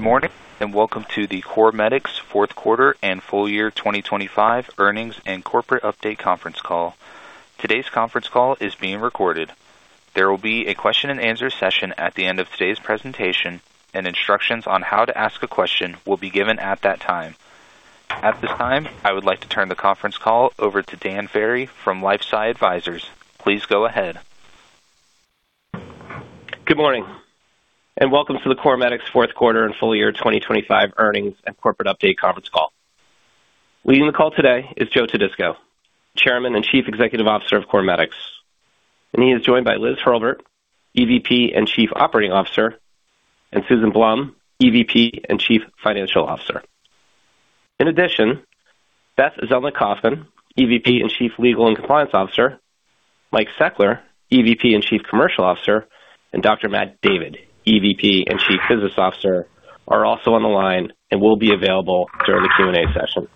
Good morning, and welcome to the CorMedix fourth quarter and full year 2025 earnings and corporate update conference call. Today's conference call is being recorded. There will be a question and answer session at the end of today's presentation, and instructions on how to ask a question will be given at that time. At this time, I would like to turn the conference call over to Dan Ferry from LifeSci Advisors. Please go ahead. Good morning, and welcome to the CorMedix fourth quarter and full year 2025 earnings and corporate update conference call. Leading the call today is Joseph Todisco, Chairman and Chief Executive Officer of CorMedix, and he is joined by Liz Hurlburt, EVP and Chief Operating Officer, and Susan Blum, EVP and Chief Financial Officer. In addition, Beth Zelnick Kaufman, EVP and Chief Legal and Compliance Officer, Mike Seckler, EVP and Chief Commercial Officer, and Dr. Matt David, EVP and Chief Business Officer, are also on the line and will be available during the Q&A session.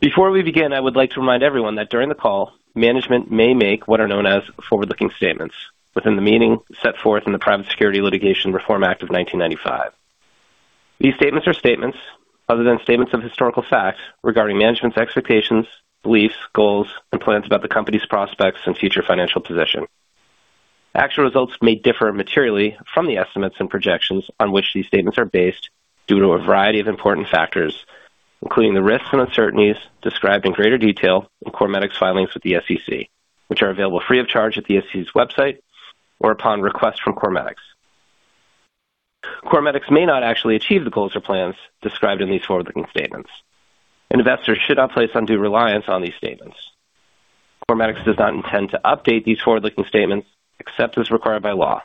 Before we begin, I would like to remind everyone that during the call, management may make what are known as forward-looking statements within the meaning set forth in the Private Securities Litigation Reform Act of 1995. These statements are statements other than statements of historical facts regarding management's expectations, beliefs, goals, and plans about the company's prospects and future financial position. Actual results may differ materially from the estimates and projections on which these statements are based due to a variety of important factors, including the risks and uncertainties described in greater detail in CorMedix filings with the SEC, which are available free of charge at the SEC's website or upon request from CorMedix. CorMedix may not actually achieve the goals or plans described in these forward-looking statements. Investors should not place undue reliance on these statements. CorMedix does not intend to update these forward-looking statements except as required by law.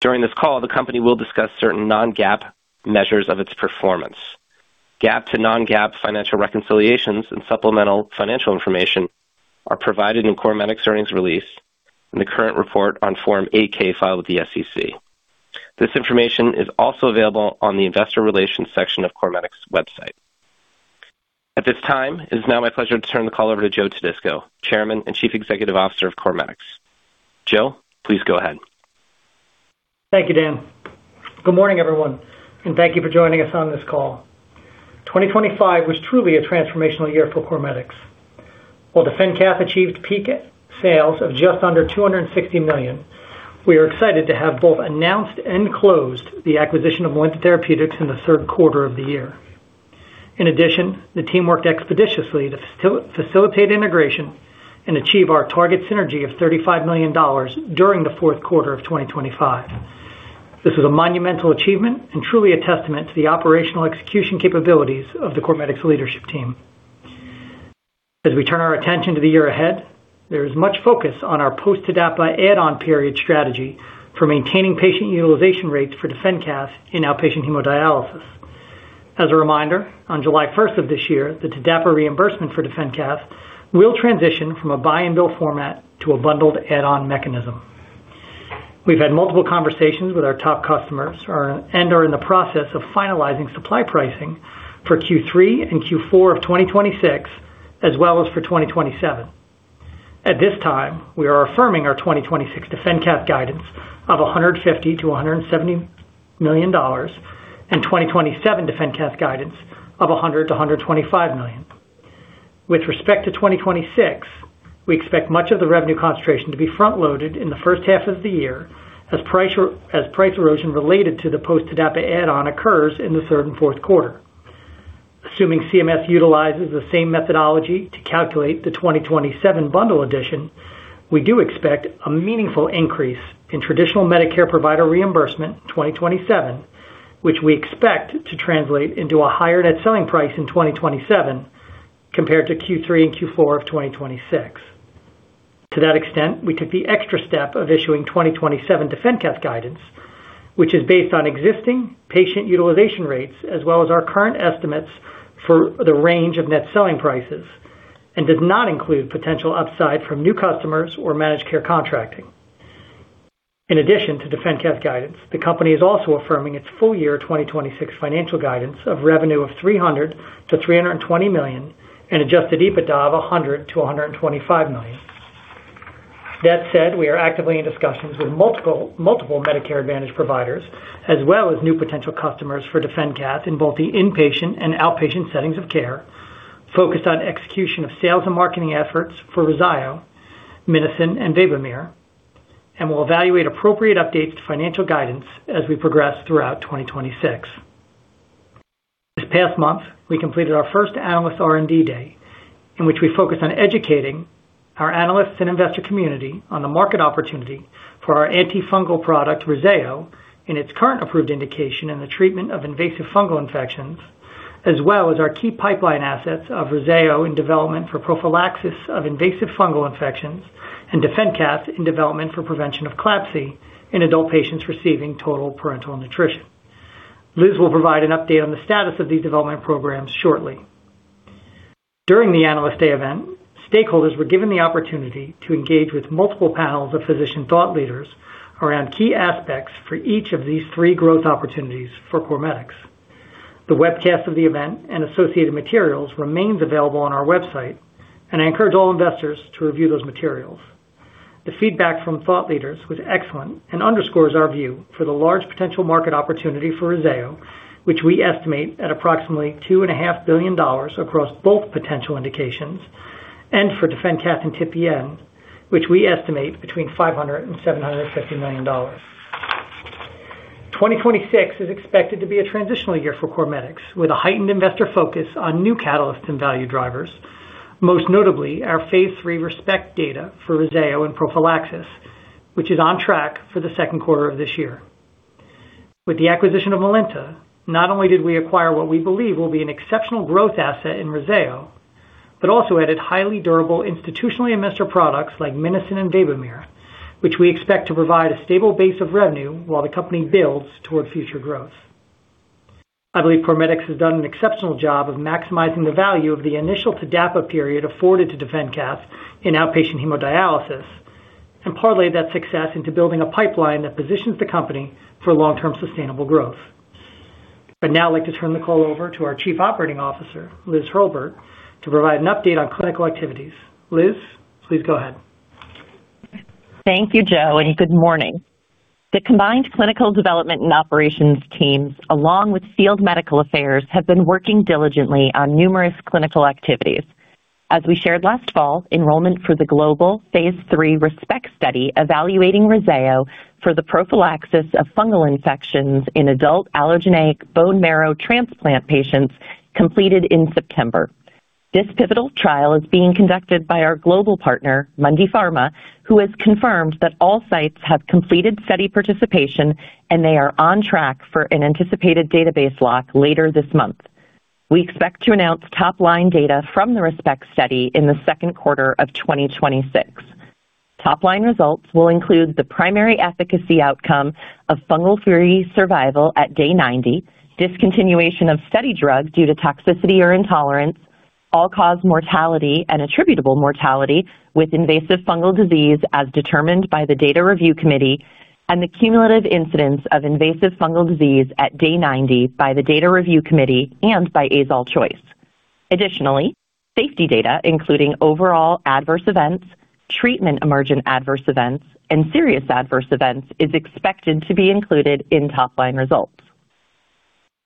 During this call, the company will discuss certain non-GAAP measures of its performance. GAAP to non-GAAP financial reconciliations and supplemental financial information are provided in CorMedix earnings release in the current report on Form 8-K filed with the SEC. This information is also available on the investor relations section of CorMedix website. At this time, it is now my pleasure to turn the call over to Joe Todisco, Chairman and Chief Executive Officer of CorMedix. Joe, please go ahead. Thank you, Dan. Good morning, everyone, and thank you for joining us on this call. 2025 was truly a transformational year for CorMedix. While DefenCath achieved peak sales of just under $260 million, we are excited to have both announced and closed the acquisition of Melinta Therapeutics in the third quarter of the year. In addition, the team worked expeditiously to facilitate integration and achieve our target synergy of $35 million during the fourth quarter of 2025. This was a monumental achievement and truly a testament to the operational execution capabilities of the CorMedix leadership team. As we turn our attention to the year ahead, there is much focus on our post-TDAPA add-on period strategy for maintaining patient utilization rates for DefenCath in outpatient hemodialysis. As a reminder, on July 1 of this year, the TDAPA reimbursement for DefenCath will transition from a buy and bill format to a bundled add-on mechanism. We've had multiple conversations with our top customers and are in the process of finalizing supply pricing for Q3 and Q4 of 2026 as well as for 2027. At this time, we are affirming our 2026 DefenCath guidance of $150 million-$170 million and 2027 DefenCath guidance of $100 million-$125 million. With respect to 2026, we expect much of the revenue concentration to be front loaded in the first half of the year as price erosion related to the post-TDAPA add-on occurs in the third and fourth quarter. Assuming CMS utilizes the same methodology to calculate the 2027 bundle edition, we do expect a meaningful increase in traditional Medicare provider reimbursement in 2027, which we expect to translate into a higher net selling price in 2027 compared to Q3 and Q4 of 2026. To that extent, we took the extra step of issuing 2027 DefenCath guidance, which is based on existing patient utilization rates as well as our current estimates for the range of net selling prices and does not include potential upside from new customers or managed care contracting. The company is also affirming its full year 2026 financial guidance of revenue of $300 million-$320 million and Adjusted EBITDA of $100 million-$125 million. That said, we are actively in discussions with multiple Medicare Advantage providers as well as new potential customers for DefenCath in both the inpatient and outpatient settings of care focused on execution of sales and marketing efforts for REZZAYO, MINOCIN and BAXDELA, and we'll evaluate appropriate updates to financial guidance as we progress throughout 2026. This past month, we completed our first analyst R&D day, in which we focused on educating our analysts and investor community on the market opportunity for our antifungal product, REZZAYO, in its current approved indication in the treatment of invasive fungal infections, as well as our key pipeline assets of REZZAYO in development for prophylaxis of invasive fungal infections and DefenCath in development for prevention of CLABSI in adult patients receiving Total Parenteral Nutrition. Liz will provide an update on the status of these development programs shortly. During the Analyst Day event, stakeholders were given the opportunity to engage with multiple panels of physician thought leaders around key aspects for each of these three growth opportunities for CorMedix. The webcast of the event and associated materials remains available on our website, I encourage all investors to review those materials. The feedback from thought leaders was excellent and underscores our view for the large potential market opportunity for REZZAYO, which we estimate at approximately two and a half billion dollars across both potential indications, and for DefenCath and TPN, which we estimate between $500 million and $750 million. 2026 is expected to be a transitional year for CorMedix, with a heightened investor focus on new catalysts and value drivers, most notably our phase III ReSPECT data for REZZAYO and prophylaxis, which is on track for the second quarter of this year. With the acquisition of Melinta, not only did we acquire what we believe will be an exceptional growth asset in REZZAYO, but also added highly durable institutional investor products like MINOCIN and VABOMERE, which we expect to provide a stable base of revenue while the company builds toward future growth. I believe CorMedix has done an exceptional job of maximizing the value of the initial TDAPA period afforded to DefenCath in outpatient hemodialysis and parlayed that success into building a pipeline that positions the company for long-term sustainable growth. I'd now like to turn the call over to our Chief Operating Officer, Liz Hurlburt, to provide an update on clinical activities. Liz, please go ahead. Thank you, Joe. Good morning. The combined clinical development and operations teams, along with Field Medical Affairs, have been working diligently on numerous clinical activities. As we shared last fall, enrollment for the global phase III ReSPECT study evaluating REZZAYO for the prophylaxis of fungal infections in adult allogeneic bone marrow transplant patients completed in September. This pivotal trial is being conducted by our global partner, Mundipharma, who has confirmed that all sites have completed study participation and they are on track for an anticipated database lock later this month. We expect to announce top-line data from the ReSPECT study in the second quarter of 2026. Top-line results will include the primary efficacy outcome of fungal-free survival at day 90, discontinuation of study drugs due to toxicity or intolerance, all-cause mortality and attributable mortality with invasive fungal disease as determined by the Data Review Committee, and the cumulative incidence of invasive fungal disease at day 90 by the Data Review Committee and by Azole CHOICE. Safety data, including overall adverse events, treatment emergent adverse events, and serious adverse events, is expected to be included in top-line results.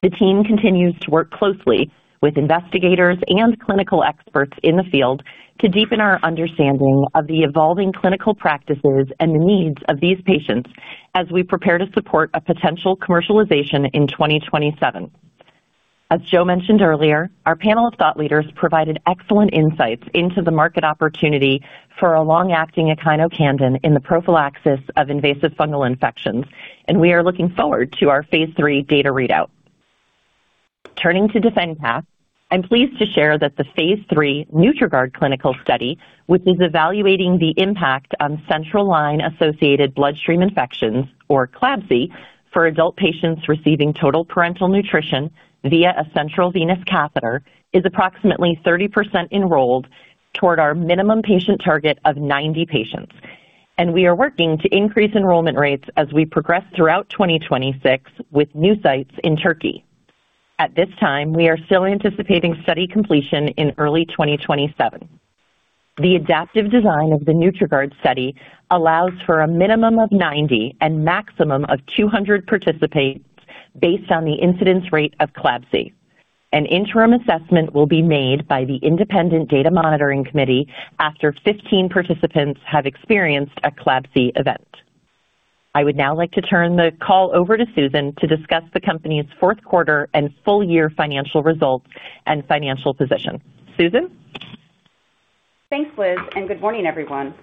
The team continues to work closely with investigators and clinical experts in the field to deepen our understanding of the evolving clinical practices and the needs of these patients as we prepare to support a potential commercialization in 2027. As Joe mentioned earlier, our panel of thought leaders provided excellent insights into the market opportunity for a long-acting echinocandin in the prophylaxis of invasive fungal infections. We are looking forward to our phase III data readout. Turning to DefenCath, I'm pleased to share that the phase III Nutriguard clinical study, which is evaluating the impact on central line-associated bloodstream infections, or CLABSI, for adult patients receiving Total Parenteral Nutrition via a central venous catheter, is approximately 30% enrolled toward our minimum patient target of 90 patients. We are working to increase enrollment rates as we progress throughout 2026 with new sites in Turkey. At this time, we are still anticipating study completion in early 2027. The adaptive design of the Nutriguard study allows for a minimum of 90 and maximum of 200 participants based on the incidence rate of CLABSI. An interim assessment will be made by the Independent Data Monitoring Committee after 15 participants have experienced a CLABSI event. I would now like to turn the call over to Susan to discuss the company's fourth quarter and full-year financial results and financial position. Susan? Thanks, Liz. Good morning, everyone.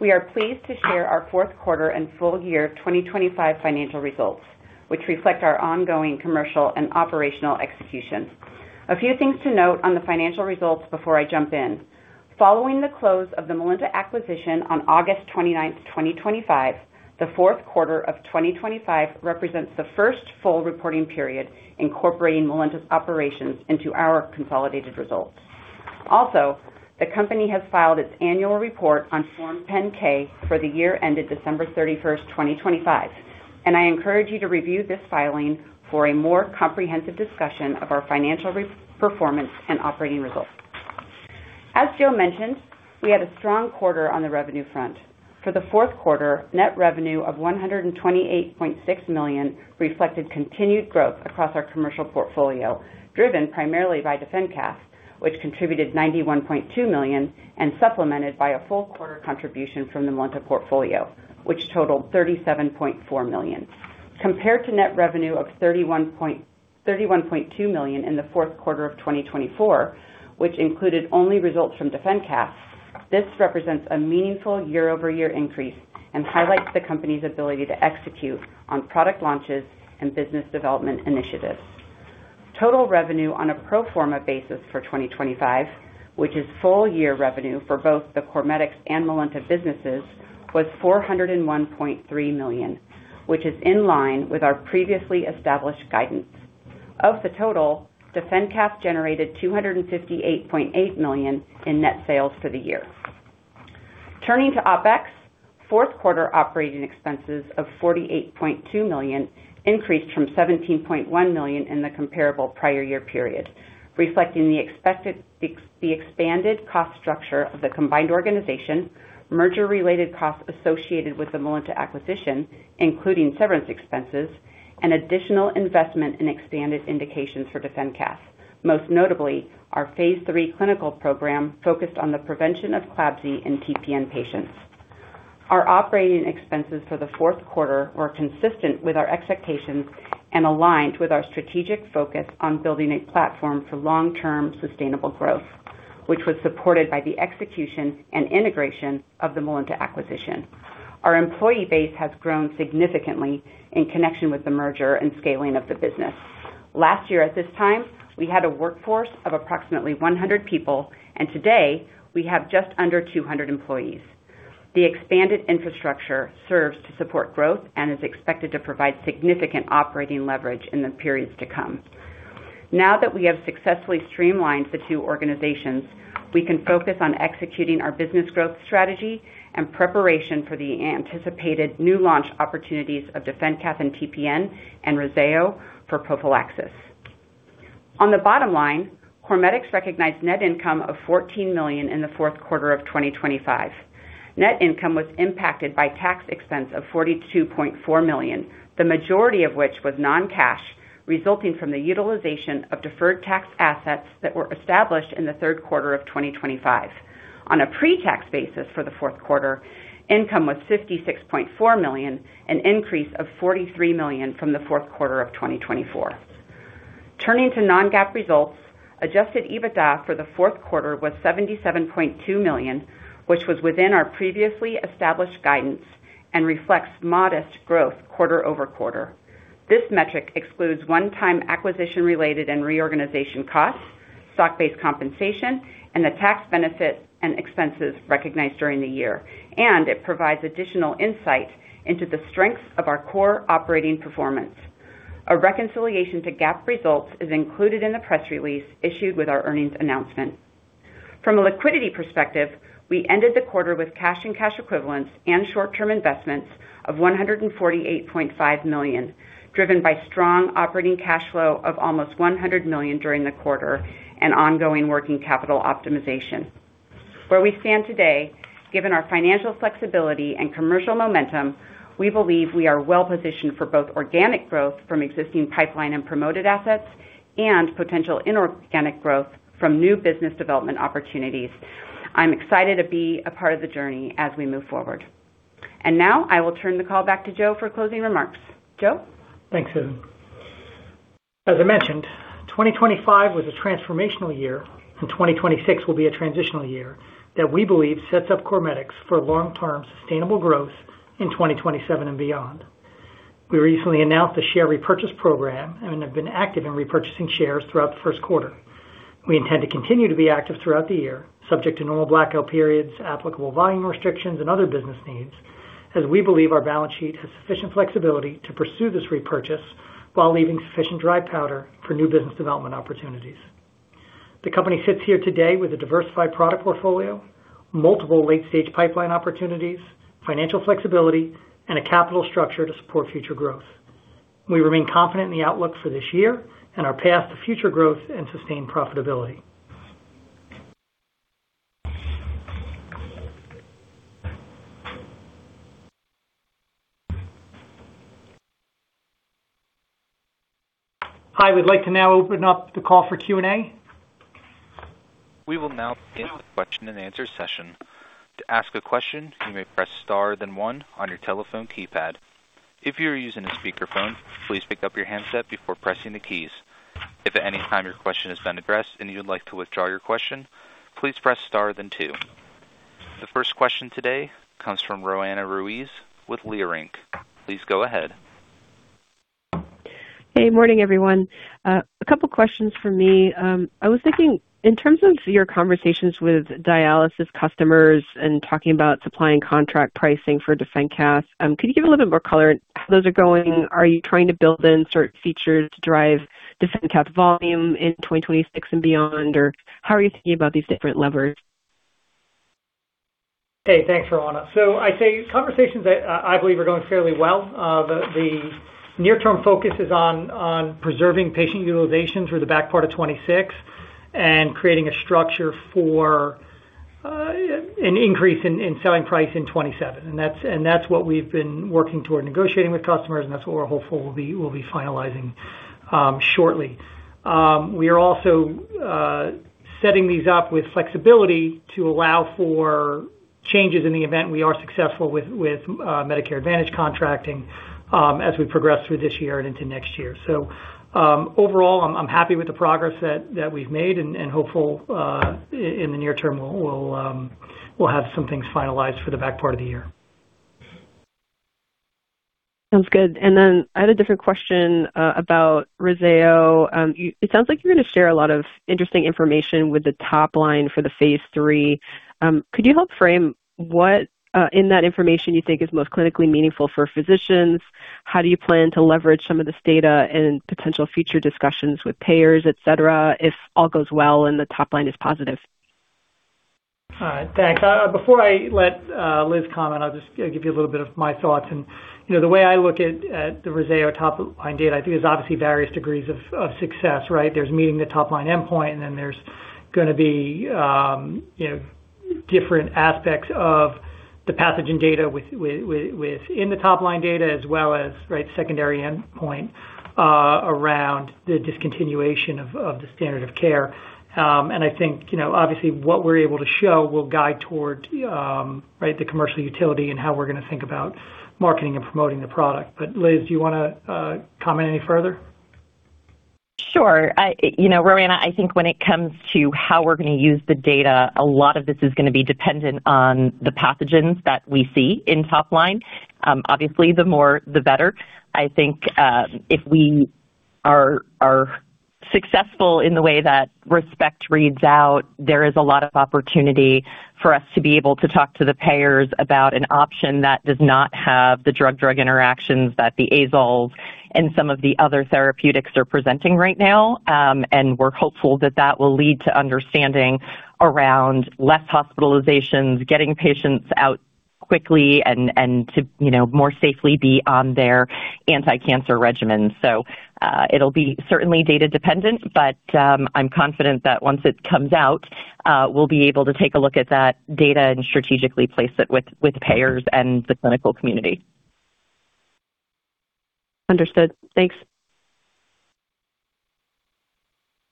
We are pleased to share our fourth quarter and full year 2025 financial results, which reflect our ongoing commercial and operational execution. A few things to note on the financial results before I jump in. Following the close of the Melinta acquisition on August 29th, 2025, the fourth quarter of 2025 represents the first full reporting period incorporating Melinta's operations into our consolidated results. The company has filed its annual report on Form 10-K for the year ended December 31st, 2025. I encourage you to review this filing for a more comprehensive discussion of our financial re-performance and operating results. As Joe mentioned, we had a strong quarter on the revenue front. For the fourth quarter, net revenue of $128.6 million reflected continued growth across our commercial portfolio, driven primarily by DefenCath, which contributed $91.2 million and supplemented by a full quarter contribution from the Melinta portfolio, which totaled $37.4 million. Compared to net revenue of $31.2 million in the fourth quarter of 2024, which included only results from DefenCath, this represents a meaningful year-over-year increase and highlights the company's ability to execute on product launches and business development initiatives. Total revenue on a pro forma basis for 2025, which is full year revenue for both the CorMedix and Melinta businesses, was $401.3 million, which is in line with our previously established guidance. Of the total, DefenCath generated $258.8 million in net sales for the year. Turning to OpEx, fourth quarter operating expenses of $48.2 million increased from $17.1 million in the comparable prior year period, reflecting the expanded cost structure of the combined organization, merger related costs associated with the Melinta acquisition, including severance expenses and additional investment in expanded indications for DefenCath, most notably our phase III clinical program focused on the prevention of CLABSI in TPN patients. Our operating expenses for the fourth quarter were consistent with our expectations and aligned with our strategic focus on building a platform for long-term sustainable growth, which was supported by the execution and integration of the Melinta acquisition. Our employee base has grown significantly in connection with the merger and scaling of the business. Last year at this time, we had a workforce of approximately 100 people. Today we have just under 200 employees. The expanded infrastructure serves to support growth and is expected to provide significant operating leverage in the periods to come. Now that we have successfully streamlined the two organizations, we can focus on executing our business growth strategy and preparation for the anticipated new launch opportunities of DefenCath and TPN and REZZAYO for prophylaxis. On the bottom line, CorMedix recognized net income of $14 million in the 4th quarter of 2025. Net income was impacted by tax expense of $42.4 million, the majority of which was non-cash, resulting from the utilization of deferred tax assets that were established in the third quarter of 2025. On a pre-tax basis for the fourth quarter, income was $56.4 million, an increase of $43 million from the fourth quarter of 2024. Turning to non-GAAP results, Adjusted EBITDA for the fourth quarter was $77.2 million, which was within our previously established guidance and reflects modest growth quarter-over-quarter. This metric excludes one-time acquisition-related and reorganization costs, stock-based compensation, and the tax benefits and expenses recognized during the year. It provides additional insight into the strengths of our core operating performance. A reconciliation to GAAP results is included in the press release issued with our earnings announcement. From a liquidity perspective, we ended the quarter with cash and cash equivalents and short-term investments of $148.5 million, driven by strong operating cash flow of almost $100 million during the quarter and ongoing working capital optimization. Where we stand today, given our financial flexibility and commercial momentum, we believe we are well-positioned for both organic growth from existing pipeline and promoted assets and potential inorganic growth from new business development opportunities. I'm excited to be a part of the journey as we move forward. Now I will turn the call back to Joe for closing remarks. Joe? Thanks, Susan. As I mentioned, 2025 was a transformational year, and 2026 will be a transitional year that we believe sets up CorMedix for long-term sustainable growth in 2027 and beyond. We recently announced the share repurchase program and have been active in repurchasing shares throughout the first quarter. We intend to continue to be active throughout the year, subject to normal blackout periods, applicable volume restrictions, and other business needs, as we believe our balance sheet has sufficient flexibility to pursue this repurchase while leaving sufficient dry powder for new business development opportunities. The company sits here today with a diversified product portfolio, multiple late-stage pipeline opportunities, financial flexibility, and a capital structure to support future growth. We remain confident in the outlook for this year and our path to future growth and sustained profitability. I would like to now open up the call for Q&A. We will now begin the question and answer session. To ask a question, you may press star, then one on your telephone keypad. If you're using a speakerphone, please pick up your handset before pressing the keys. If at any time your question has been addressed and you would like to withdraw your question, please press star, then two. The first question today comes from Roanna Ruiz with Leerink. Please go ahead. Hey. Morning, everyone. A couple questions for me. I was thinking in terms of your conversations with dialysis customers and talking about supplying contract pricing for DefenCath, could you give a little bit more color how those are going? Are you trying to build in certain features to drive DefenCath volume in 2026 and beyond? Or how are you thinking about these different levers? Hey, thanks, Roanna. I believe conversations are going fairly well. The near-term focus is on preserving patient utilization through the back part of 2026 and creating a structure for an increase in selling price in 2027. That's what we've been working toward negotiating with customers, and that's what we're hopeful we'll be finalizing shortly. We are also setting these up with flexibility to allow for changes in the event we are successful with Medicare Advantage contracting as we progress through this year and into next year. Overall, I'm happy with the progress that we've made and hopeful in the near term, we'll have some things finalized for the back part of the year. Sounds good. I had a different question about REZZAYO. It sounds like you're gonna share a lot of interesting information with the top line for the phase III. Could you help frame what in that information you think is most clinically meaningful for physicians? How do you plan to leverage some of this data in potential future discussions with payers, et cetera, if all goes well and the top line is positive? All right, thanks. Before I let Liz comment, I'll just, you know, give you a little bit of my thoughts. You know, the way I look at the REZZAYO top-of-line data, I think there's obviously various degrees of success, right? There's meeting the top-line endpoint, and then there's gonna be, you know, different aspects of the pathogen data within the top-line data as well as, right, secondary endpoint, around the discontinuation of the standard of care. I think, you know, obviously what we're able to show will guide toward, right, the commercial utility and how we're gonna think about marketing and promoting the product. Liz, do you wanna comment any further? Sure. You know, Roanna, I think when it comes to how we're gonna use the data, a lot of this is gonna be dependent on the pathogens that we see in top line. Obviously, the more, the better. I think, if we are successful in the way that ReSPECT reads out, there is a lot of opportunity for us to be able to talk to the payers about an option that does not have the drug-drug interactions that the Azoles and some of the other therapeutics are presenting right now. We're hopeful that that will lead to understanding around less hospitalizations, getting patients out quickly and to, you know, more safely be on their anticancer regimen. It'll be certainly data dependent, but, I'm confident that once it comes out, we'll be able to take a look at that data and strategically place it with payers and the clinical community. Understood. Thanks.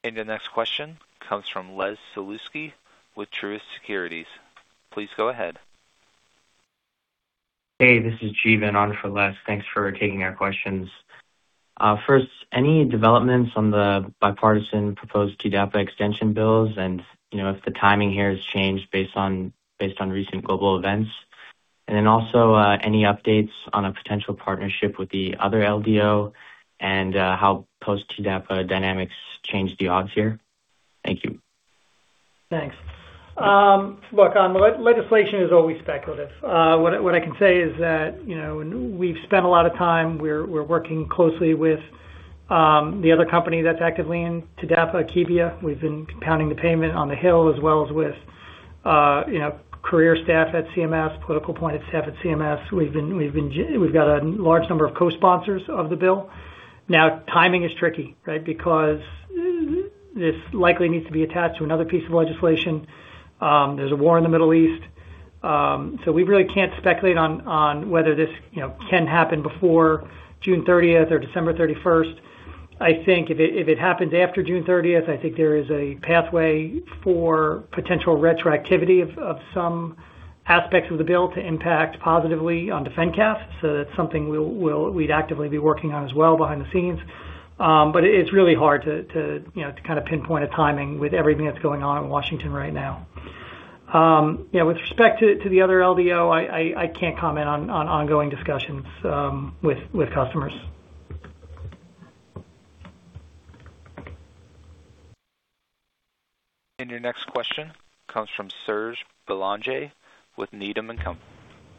Your next question comes from Les Sulewski with Truist Securities. Please go ahead. Hey, this is Jeevan on for Les. Thanks for taking our questions. First, any developments on the bipartisan proposed TDAPA extension bills and, you know, if the timing here has changed based on recent global events? Also, any updates on a potential partnership with the other LDO and how post-TDAPA dynamics change the odds here? Thank you. Thanks. Look, legislation is always speculative. What I can say is that, you know, we've spent a lot of time. We're working closely with the other company that's actively in TDAPA, Akebia. We've been pounding the pavement on the Hill as well as with, you know, career staff at CMS, political appointed staff at CMS. We've got a large number of co-sponsors of the bill. Timing is tricky, right? Because this likely needs to be attached to another piece of legislation. There's a war in the Middle East. We really can't speculate on whether this, you know, can happen before June 30th or December 31st. I think if it happens after June 30th, I think there is a pathway for potential retroactivity of some aspects of the bill to impact positively on DefenCath. That's something we'd actively be working on as well behind the scenes. It's really hard to, you know, to kind of pinpoint a timing with everything that's going on in Washington right now. You know, with respect to the other LDO, I can't comment on ongoing discussions with customers. Your next question comes from Serge Belanger with Needham & Company.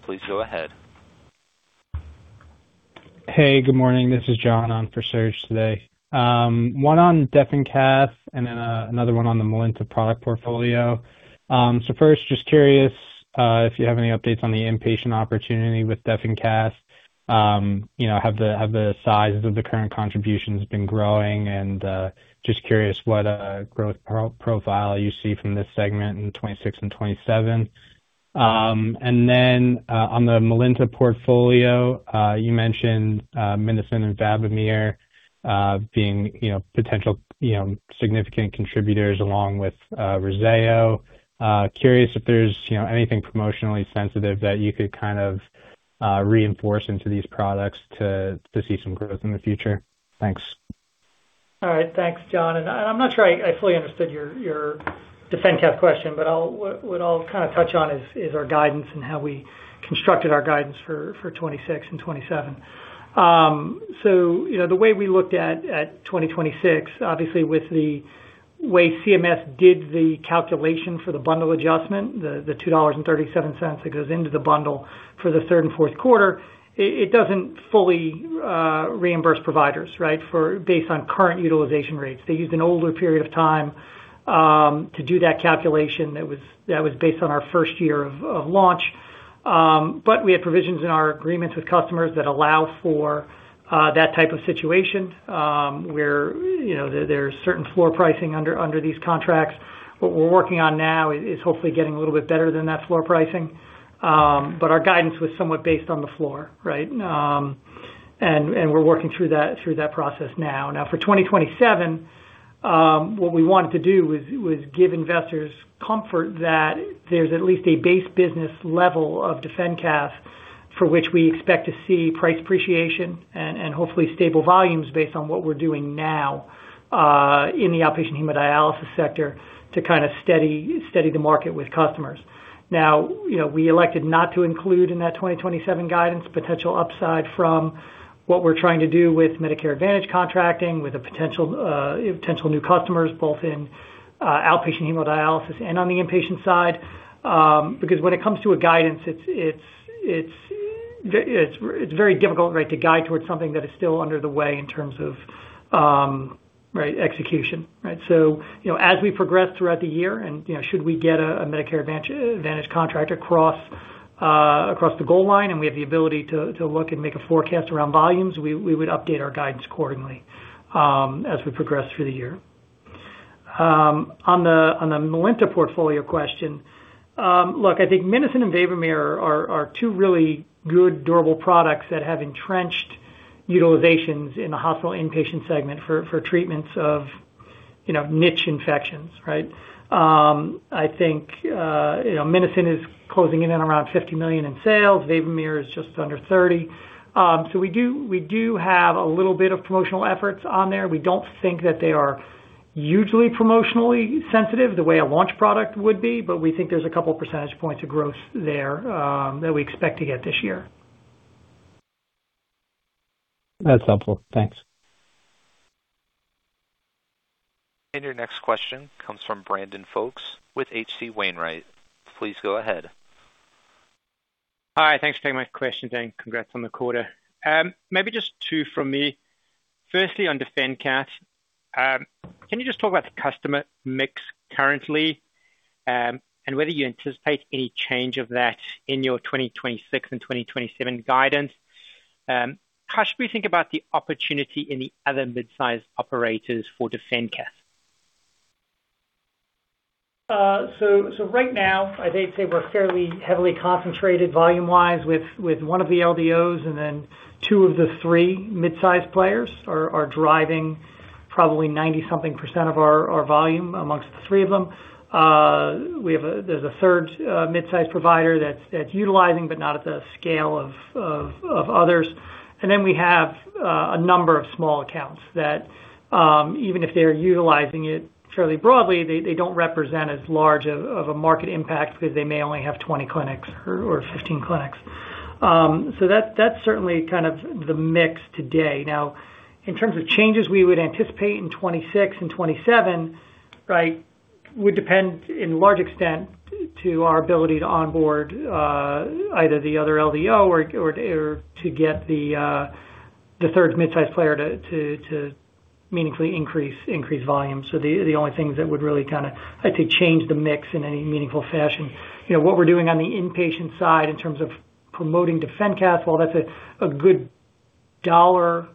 Please go ahead. Hey, good morning. This is John on for Serge today. One on DefenCath and then another one on the Melinta product portfolio. First, just curious if you have any updates on the inpatient opportunity with DefenCath. You know, have the sizes of the current contributions been growing? Just curious what growth profile you see from this segment in 2026 and 2027. On the Melinta portfolio, you mentioned MINOCIN and VABOMERE being, you know, potential, you know, significant contributors along with REZZAYO. Curious if there's, you know, anything promotionally sensitive that you could kind of reinforce into these products to see some growth in the future. Thanks. All right. Thanks, John. I'm not sure I fully understood your DefenCath question, but what I'll kind of touch on is our guidance and how we constructed our guidance for 2026 and 2027. You know, the way we looked at 2026, obviously with the way CMS did the calculation for the bundle adjustment, the $2.37 that goes into the bundle for the third and fourth quarter, it doesn't fully reimburse providers, right? For based on current utilization rates. They used an older period of time to do that calculation that was based on our first year of launch. We have provisions in our agreements with customers that allow for that type of situation, where, you know, there are certain floor pricing under these contracts. What we're working on now is hopefully getting a little bit better than that floor pricing. Our guidance was somewhat based on the floor, right? We're working through that process now. Now for 2027, what we wanted to do was give investors comfort that there's at least a base business level of DefenCath for which we expect to see price appreciation and hopefully stable volumes based on what we're doing now in the outpatient hemodialysis sector to kind of steady the market with customers. You know, we elected not to include in that 2027 guidance potential upside from what we're trying to do with Medicare Advantage contracting, with potential new customers both in outpatient hemodialysis and on the inpatient side. When it comes to a guidance, it's very difficult, right, to guide towards something that is still under the way in terms of, right, execution, right? You know, as we progress throughout the year and, you know, should we get a Medicare Advantage contract across the goal line, and we have the ability to look and make a forecast around volumes, we would update our guidance accordingly as we progress through the year. On the Melinta portfolio question. Look, I think MINOCIN and VABOMERE are two really good durable products that have entrenched utilizations in the hospital inpatient segment for treatments of, you know, niche infections, right? I think, you know, MINOCIN is closing in at around $50 million in sales. VABOMERE is just under $30 million. We do have a little bit of promotional efforts on there. We don't think that they are usually promotionally sensitive the way a launch product would be, but we think there's a couple percentage points of growth there that we expect to get this year. That's helpful. Thanks. Your next question comes from Brandon Folkes with H.C. Wainwright. Please go ahead. Hi, thanks for taking my question, and congrats on the quarter. Maybe just two from me. Firstly, on DefenCath, can you just talk about the customer mix currently, and whether you anticipate any change of that in your 2026 and 2027 guidance? How should we think about the opportunity in the other mid-sized operators for DefenCath? Right now, I'd say we're fairly heavily concentrated volume-wise with one of the LDOs and then two of the three mid-sized players are driving probably 90-something% of our volume amongst the three of them. There's a third mid-sized provider that's utilizing, but not at the scale of others. We have a number of small accounts that, even if they're utilizing it fairly broadly, they don't represent as large of a market impact because they may only have 20 clinics or 15 clinics. That's certainly kind of the mix today. In terms of changes we would anticipate in 2026 and 2027, right, would depend in large extent to our ability to onboard either the other LDO or to get the third mid-sized player to meaningfully increase volume. The only things that would really kinda, I'd say, change the mix in any meaningful fashion. You know, what we're doing on the inpatient side in terms of promoting DefenCath, while that's a good dollar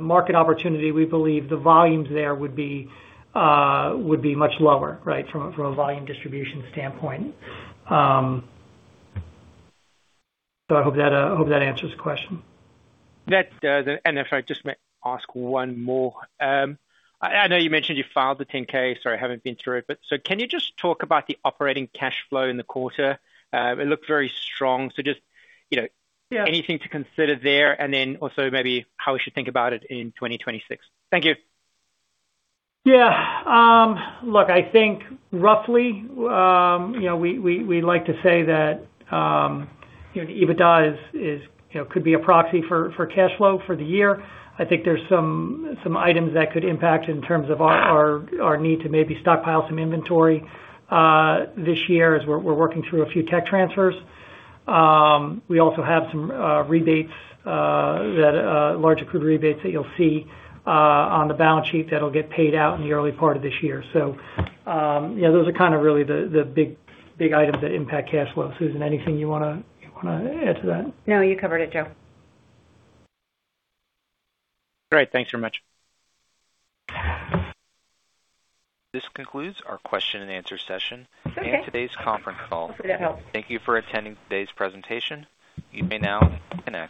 market opportunity, we believe the volumes there would be much lower, right, from a volume distribution standpoint. I hope that answers the question. That does. If I just may ask one more. I know you mentioned you filed the Form 10-K, so I haven't been through it. Can you just talk about the operating cash flow in the quarter? It looked very strong. Just, you know- Yeah. Anything to consider there, and then also maybe how we should think about it in 2026. Thank you. Look, I think roughly, you know, we like to say that, you know, the EBITDA is could be a proxy for cash flow for the year. I think there's some items that could impact in terms of our need to maybe stockpile some inventory this year as we're working through a few tech transfers. We also have some rebates that large accrued rebates that you'll see on the balance sheet that'll get paid out in the early part of this year. Those are kind of really the big items that impact cash flow. Susan, anything you wanna add to that? No, you covered it, Joe. Great. Thanks very much. This concludes our question and answer session and today's conference call. Thank you for attending today's presentation. You may now disconnect.